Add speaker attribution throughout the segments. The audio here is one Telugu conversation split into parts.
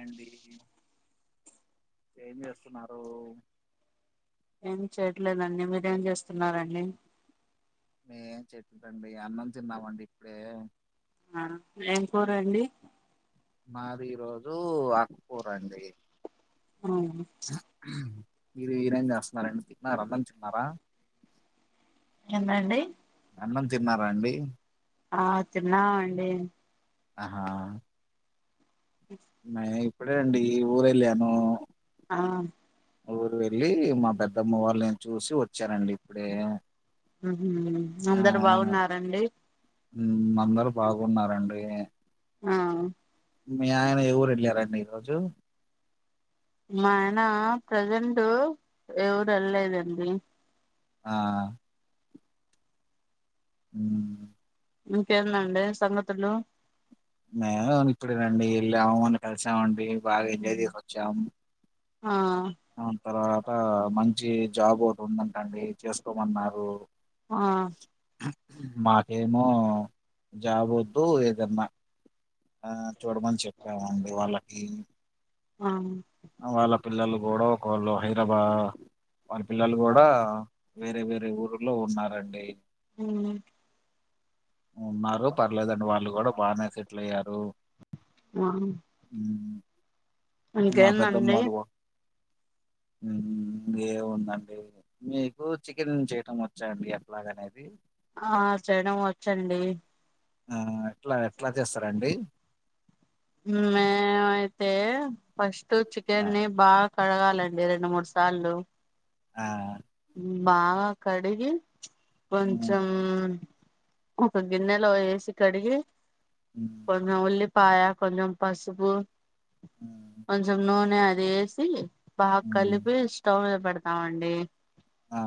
Speaker 1: అండి ఏం చేస్తున్నారు
Speaker 2: ఏం చేయట్లేదండి మీరేం చేస్తున్నారండి
Speaker 1: మీము ఎం చెయట్లేదండి అన్నం తిన్నామండి ఇప్పుడే
Speaker 2: ఆ ఏం కూర అండి
Speaker 1: మాది ఈ రోజు అకుకూర అండి
Speaker 2: అవునా
Speaker 1: మీరు ఈరేం చేస్తున్నరండి తిన్నార అన్నం తిన్నారా
Speaker 2: ఎందండి
Speaker 1: అన్నం తిన్నారా అండి
Speaker 2: ఆ తిన్నామండి
Speaker 1: ఆహా ఇప్పుడే అండి ఊరు వెళ్ళాను
Speaker 2: ఆ
Speaker 1: ఊరు వెళ్ళి మా పెద్దమ్మ వాళ్ళును చూసి వచ్చానండి ఇప్పుడే
Speaker 2: మ్ అందరు బాగున్నారండి
Speaker 1: మ్ అందరు బాగున్నారండి
Speaker 2: ఆ
Speaker 1: మీ ఆయన ఎ ఊరు వెళ్లారండి ఈ రోజు
Speaker 2: మా ఆయన ప్రజెంట్ ఎ ఊరు వెళ్లలేదండి
Speaker 1: ఆ మ్
Speaker 2: ఇకేందండి సంఘతులు
Speaker 1: మేము ఇప్పుడు రండి వెళ్ళాము వాళ్ళని కలిసామండి బాగా ఎంజాయ్ చేసోచ్చాము
Speaker 2: ఆ
Speaker 1: ఆ తర్వాత మంచి జాబ్ ఒకటి ఉందంటండి చేసుకోమన్నారు
Speaker 2: ఆ
Speaker 1: మాకేమో జాబ్ వద్దు ఏదన్నా ఆ చూడమని చెప్పామండి వాళ్ళకి
Speaker 2: ఆ
Speaker 1: వాళ్ళ పిల్లలు కుడా ఒక్కోళ్ళు హైదరాబా వాళ్ళ పిల్లలు కూడా వేరే వేరే ఊర్లో ఉన్నారండి
Speaker 2: మ్
Speaker 1: ఉన్నారు పర్లేదండి వాళ్ళు కూడా బానే సెటిల్ అయ్యారు
Speaker 2: ఆ
Speaker 1: ఉమ్,
Speaker 2: ఇంకేందండి
Speaker 1: ఉహుమ్ ఏముందండి మీకు చికెన్ చేయటం వచ్చాండి ఎట్లాగ అనేది
Speaker 2: ఆ చేయడం వచ్చండి
Speaker 1: ఊమ్ ఆ ఎట్ల ఎట్ల చేస్తరండి
Speaker 2: మేము అయితే ఫస్ట్
Speaker 1: ఆ!
Speaker 2: చికెన్ ని బాగ కడగాలండి రెండు మూడు సార్లు
Speaker 1: ఆ
Speaker 2: బాగ కడిగి
Speaker 1: హ్మ్.
Speaker 2: కొంచెం ఒక గిన్నెలో వేసి కడిగి
Speaker 1: హ్మ్.
Speaker 2: కొంచెం ఉల్లి పాయ కొంచం పసుపు
Speaker 1: హ్మ్.
Speaker 2: కొంచం నూనె అది ఏసి బాగ
Speaker 1: హ్మ్.
Speaker 2: కలిపి స్టవ్ లో పెడతామండి
Speaker 1: ఆ!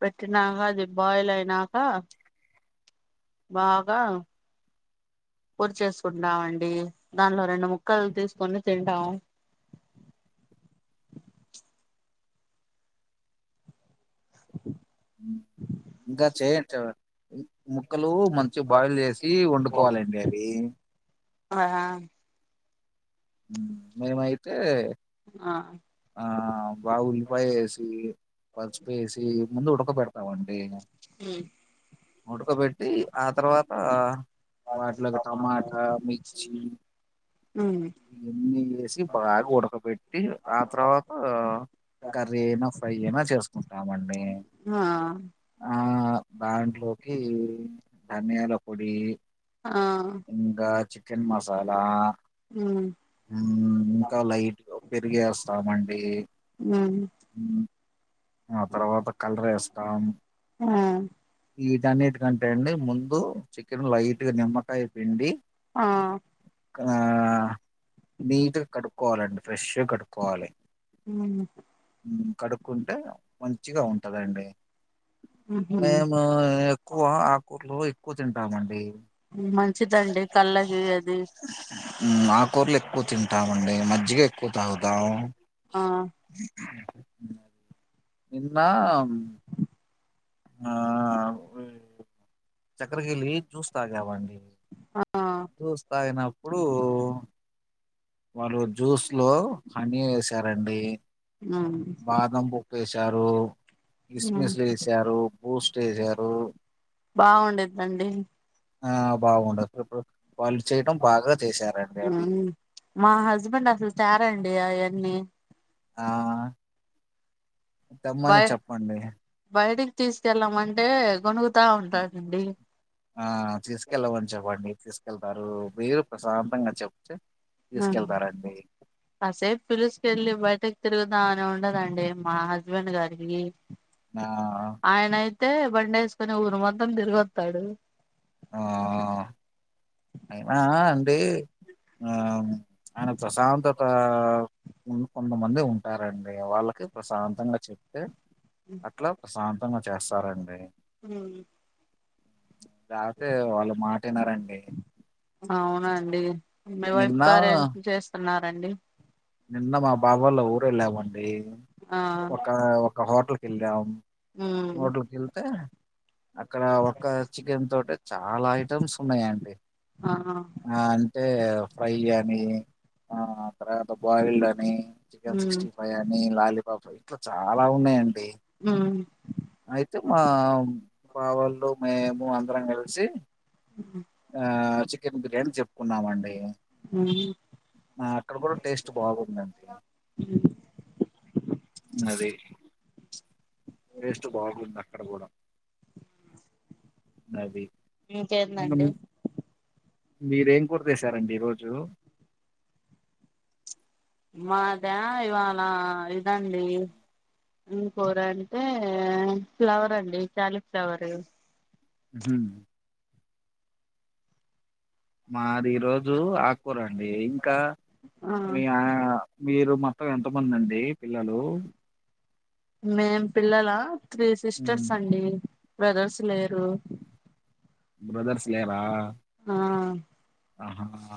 Speaker 2: పెట్టి నాక అది బాయిల్ అయినాక బాగ పూరి చేేసుకుంటామండి దానిలో రెండు ముక్కలు తీసుకొని తింటాము
Speaker 1: ఇంక చేయం చా ముక్కలు మంచిగ బాయిల్ చేసి వండుకోవాలండి అవి
Speaker 2: ఆహ
Speaker 1: ఉమ్ మేమైతే
Speaker 2: ఆ
Speaker 1: ఆ బాగా ఉల్లిపాయ ఏసి పసుపు వేసి ముందు ఉడక పెడతామండి
Speaker 2: ఉమ్
Speaker 1: ఉడక పెట్టి ఆ తర్వాత వాటిలోకి టమాట మిర్చి
Speaker 2: ఉమ్
Speaker 1: ఇవన్నీ వేసి బాగ ఉడకబెట్టి ఆ తర్వాత కర్రీ అయిన ఫ్రై అయిన చేసుకుంటామండి
Speaker 2: అ
Speaker 1: ఆ దాంట్లోకి ధనియాల పొడి
Speaker 2: ఆ
Speaker 1: ఇంకా చికెన్ మసాలా
Speaker 2: ఉమ్
Speaker 1: ఇంక లైట్ పెరిగస్తామండి
Speaker 2: ఉమ్
Speaker 1: ఉమ్ ఆ తర్వాత కల్రేస్తాం
Speaker 2: ఆ
Speaker 1: ఈటన్నిటికంటె అండి ముందు చికెన్ లైట్ గ నిమ్మకాయ పిండి
Speaker 2: ఆ
Speaker 1: ఆ నీట్గ కడుక్కోవాలండి ఫ్రెష్గా కడుక్కోవాలి
Speaker 2: ఉమ్
Speaker 1: కడుక్కుంటే మంచిగ ఉంటందండి ఆవును
Speaker 2: ఉహు
Speaker 1: మేము ఎక్కువ ఆకుకూరలు ఎక్కువ తింటామండి
Speaker 2: మంచిదండి కళ్ళకి అది
Speaker 1: ఉమ్మ్ ఆకు కూరలు ఎక్కువ తింటామండి మజ్జిగ ఎక్కువ తాగుతాం
Speaker 2: ఆ
Speaker 1: నిన్నా చక్కరకేళి జూస్ తాగావ అండి
Speaker 2: ఆ
Speaker 1: జ్యూస్ తాగినప్పుడు వారు జ్యూస్ లో హనీ వేసారండి
Speaker 2: ఉమ్
Speaker 1: బాదం పప్పు వేసారు
Speaker 2: ఉమ్
Speaker 1: కిస్మిస్లు ఏసారు బూస్ట్ ఏసారు
Speaker 2: బాగుండిద్దండి
Speaker 1: ఆ బాగుండదు ఇప్పుడు వాళ్ళు చేయడం బాగా చేసారండి అది
Speaker 2: ఉమ్ మా హస్బెండ్ అసలు తెరండి అవన్నీ
Speaker 1: ఆ తెమ్మని
Speaker 2: బయ
Speaker 1: చెప్పండి
Speaker 2: బయటికి తీసుకెళ్ళామంటే గునుగుతా ఉంటాడండి
Speaker 1: ఆ తీసుకెళ్ళమని చెప్పండి తీసుకెళ్తారు మీరు ప్రశాంతంగా చె
Speaker 2: అ కాసేప్ పిలుస్ వెళ్ళి బయటకి తిరుగుదాం అని ఉండదండి మా హస్బెండ్ గారికి
Speaker 1: ఆ
Speaker 2: తే బండేసుకుొని ఊరు మొత్తం తిరిగొస్తాడు
Speaker 1: ఆ అ అయినా అండి అవును ఆయనకు ప్రశాంతత కొంతమంది ఉంటారండి వాళ్ళకి ప్రశాంతంగా చెప్తే అట్లా ప్రశాంతంగా చేస్తారండి
Speaker 2: మ్
Speaker 1: లేపోతే వాళ్ళు మాట వినరండి
Speaker 2: అవునండి మీ వైఫ్ గారు ఏం చేస్తున్నారండి
Speaker 1: నిన్న మా బాబాయ్ వళ్ళ ఊరు వెళ్ళామండి
Speaker 2: ఆ
Speaker 1: ఒక ఒక హోటల్కి వెళ్ళాం
Speaker 2: ఉమ్
Speaker 1: హోటల్ కేళ్తే అక్కడ ఒక చికెన్ తోటే చాలా ఐటమ్స్ ఉన్నాయండి
Speaker 2: ఆ
Speaker 1: ఆ అంటే ఫ్రై అని ఆ అక్కడ బాయిల్డ్ అని చీకేన్
Speaker 2: ఉమ్
Speaker 1: సిక్స్టీ ఫైవ్ అని లాలిపప్ అట్లా చాలా ఉన్నాయండి
Speaker 2: ఉమ్
Speaker 1: అయితే మా బావోళ్ళు మేము అందరం కలిసి ఆ చికెన్ బిర్యానీ చెప్పుకున్నామండి
Speaker 2: ఉమ్
Speaker 1: ఆ అక్కడ కూడా టేస్ట్ బాగుందండి అది టేస్ట్ బాగుంది అక్కడ కూడా అవి
Speaker 2: మీకేందండి
Speaker 1: మీరేం కురచేసారండి ఈ రోజు
Speaker 2: మాదా ఇవాళ ఇదండి ఎం కూర అంటే ఫ్లవర్ అండి క్యాలి ఫ్లవర్
Speaker 1: మ్ మాది ఈ రోజు ఆకు కూరండి ఇంకా మీ ఆ మీరు మొత్తం ఎంతమంది అండి పిల్లలు
Speaker 2: మేం పిల్లల త్రీ సిస్టర్స్ అండి బ్రదర్స్ లేరు
Speaker 1: బ్రదర్స్ లేరా
Speaker 2: ఆ
Speaker 1: ఆహాహా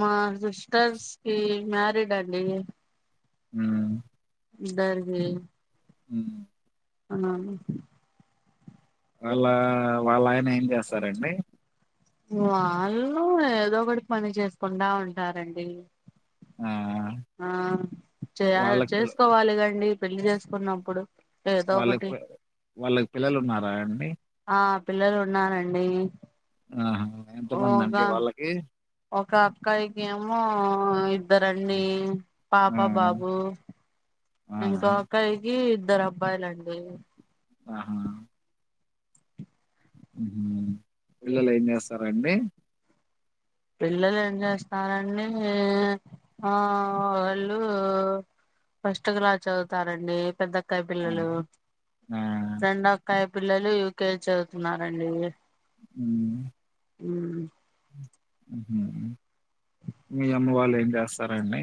Speaker 2: మా సిస్టర్స్ కి మ్య రిడండి
Speaker 1: మ్
Speaker 2: ఇద్దరిది
Speaker 1: మ్
Speaker 2: అ
Speaker 1: వాళ్ళ వాళ్ళ ఆయన ఏం చేస్తారండి
Speaker 2: వాళ్ళు ఏదో ఒకటి పని చేసుకుండా ఉంటారండి
Speaker 1: ఆ
Speaker 2: ఆ చేయా
Speaker 1: వాళ్ళకి పిల్ల
Speaker 2: చేసుకోవాలి కండి పెళ్లిి చేసుకున్నప్పుడు ఏదో
Speaker 1: వాళ్ళక్
Speaker 2: ఒకటి
Speaker 1: పి వాళ్ళకి పిల్లలు ఉన్నారా అండి
Speaker 2: ఆ పిల్లలు ఉన్నారండి
Speaker 1: ఆహా! ఎంతమందండి
Speaker 2: ఓగా
Speaker 1: వాళ్ళకి
Speaker 2: ఒక అక్కయికెమో ఇద్దరండి
Speaker 1: ఆ!
Speaker 2: పాప
Speaker 1: ఆ!
Speaker 2: బాబు
Speaker 1: ఆ!
Speaker 2: ఇంకొ అక్కయ్యకి ఇద్దరబ్బాయిలండి
Speaker 1: ఆహా పిల్లలేం చేస్తారండి
Speaker 2: పిల్లలేం చేస్తారండి ఆ వాళ్ళు ఫస్ట్ క్లా చదువుతారండి పెద్ద క్కయ్య
Speaker 1: ఆ!
Speaker 2: పిల్లలు
Speaker 1: ఆ!
Speaker 2: రెండో అక్కయ్య పిల్లలు యూకే చదువుతున్నారండి
Speaker 1: ఉమ్
Speaker 2: ఉమ్
Speaker 1: మీ అమ్మ వాళ్ళు ఏం చేస్తారండి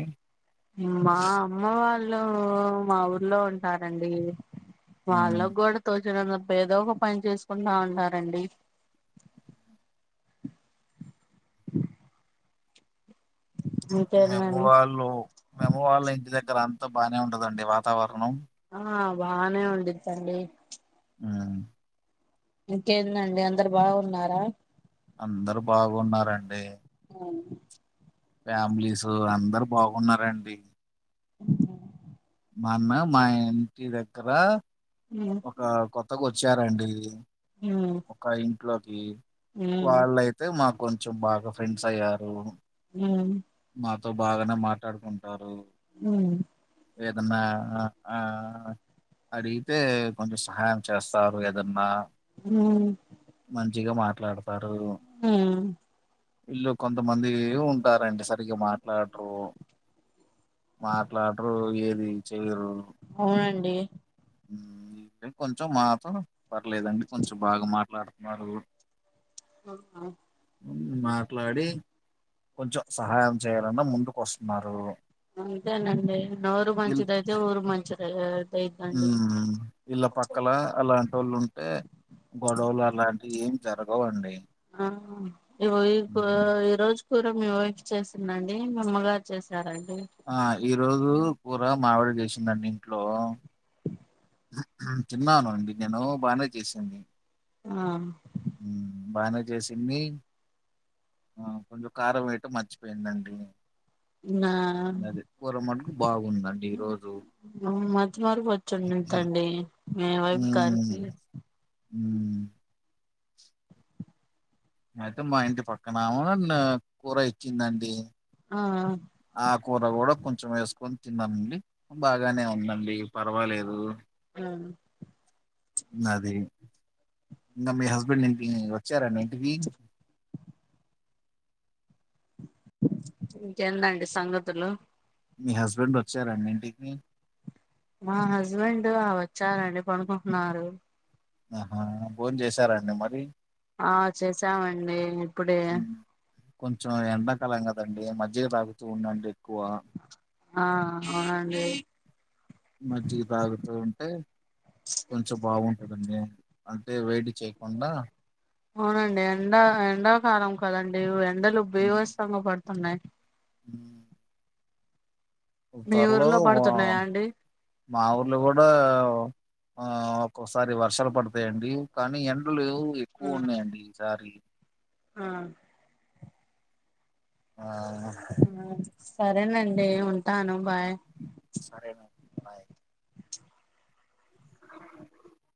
Speaker 2: మా అమ్మ వాళ్ళు మా ఊర్లో ఉంటారండి
Speaker 1: హ్మ్.
Speaker 2: వాళ్లగూడ తో ఏదో ఒక పని చేసుకుంటా ఉంటారండి
Speaker 1: మీ అమ్మ
Speaker 2: ఇంకేందండి
Speaker 1: వాళ్ళు మీ అమ్మ వాళ్ళ ఇంటి దగ్గర అంతా బాగానే ఉంటదండి వాతావరణం
Speaker 2: ఆ బానే ఉండిద్దండి
Speaker 1: ఉమ్
Speaker 2: ఇంకేందండి అందరు బాగున్నారా
Speaker 1: అందరు బాగున్నారండి
Speaker 2: అవున
Speaker 1: ఫ్యామిలీసు అందరు బాగున్నారండి
Speaker 2: అ
Speaker 1: మన్నమే మా ఇంటి దగ్గర ఒక కొత్తగొచ్చారండి
Speaker 2: మ్మ్
Speaker 1: ఒక ఇంట్లోకి
Speaker 2: మ్మ్
Speaker 1: వాళ్ళయితే మాకు కొంచెం బాగా ఫ్రెండ్స్ అయ్యారు
Speaker 2: ఉమ్
Speaker 1: త్ బాగానే మాట్లాడుకుంటారు
Speaker 2: ఉమ్
Speaker 1: ఏదన్నా ఆ ఆ అడిగితే కొంచెం సహాయం చేస్తారు ఏదన్నా
Speaker 2: మ్మ్
Speaker 1: మంచిగా మాట్లాడుతారు
Speaker 2: ఉం
Speaker 1: ఇళ్ళో కొంతమంది ఉంటారండి సరిగ్గా మాట్లాడరు మాట్లాడరు ఏది చెయరు
Speaker 2: ఎ
Speaker 1: కొంచెం మాతోనె పర్లేదండి కొంచెం బాగా మాట్లాడుతున్నారు మాట్లాడి కొంచెం సహాయం చేయాలన్నా ముందు కొస్తున్నారు
Speaker 2: అంతేనండి నోరు మంచిదైతే ఊరు మంచిదై
Speaker 1: మ్ ఇలా పక్కల అలాటోళ్లు ఉంటే గొడవలు అలాంటివి ఏం జరగవండి.
Speaker 2: ఆ ఇగో ఈ
Speaker 1: ఉమ్,
Speaker 2: ఈ రోజ్ కూర మీ వైఫ్ చేసిందండి మీ అమ్మగార్ చేసారం
Speaker 1: ఆ ఈ రోజు కూర మా ఆవిడ చేసిందండి ఇంట్లో తిన్నాను అండి నేను బానే చేసింది.
Speaker 2: ఆ
Speaker 1: బానే చేసింది ఆ కొంచం కారం వేయటం మర్చిపోయిందండి.
Speaker 2: నా
Speaker 1: గదే కూర మట్టుకు బాగుందండి ఈ రోజు
Speaker 2: మతి మరుపు వచ్చుండ్ దండి మీ వైఫ్ గారికి
Speaker 1: మ్ అయితే మా ఇంటి పక్కనామ నాకు కూర ఇచ్చిందండి.
Speaker 2: ఆ
Speaker 1: ఆ కూర గూడా కొంచం ఏస్కొన్ తిన్నానండి బాగానే ఉందండి పర్వాలేదు.
Speaker 2: ఆ
Speaker 1: అది ఇంకా మీ హస్బెండ్ ఇంతకీ వచ్చారా ఇంటికి
Speaker 2: ఇంకేందండి సంగతులు
Speaker 1: మీ హస్బెండ్ వచ్చారా అండి ఇంటికి
Speaker 2: మా హస్బెండ్ ఆ వచ్చారండి కొనుకుంటున్నారు.
Speaker 1: అహా భోన్ చేసారండి మరి
Speaker 2: ఆ చేసామండీ ఇప్పుడే
Speaker 1: హ్మ్. కొంచెం ఎండాకాలం కదండి మజ్జిగ తాగుతూ ఉండండి ఎక్కువా
Speaker 2: ఆ అవునండి.
Speaker 1: మజ్జిగ తాగుతూ ఉంటే కొంచం బాగుంటదండి. అంటే వేడి చేయకుండా
Speaker 2: అవునండి ఎండ ఎండాకాలం కదండి ఎండలు
Speaker 1: హ్మ్.
Speaker 2: బీవస్తంగ పడుతున్నాయి. మీ
Speaker 1: త్వర్లో
Speaker 2: ఊర్లో
Speaker 1: వా
Speaker 2: పడుతున్నాయా అండి
Speaker 1: మా ఊర్లో కూడా ఆ ఒక్కొక్కసారి వర్షాల్ పడ్తయండి. కనీ ఎండలు లు ఎక్కు
Speaker 2: ఆ
Speaker 1: ఉన్నయండి ఈసారి
Speaker 2: ఆ
Speaker 1: ఆ
Speaker 2: ఆ సరేనండి ఉంటాను బాయ్
Speaker 1: సరేనండి బాయ్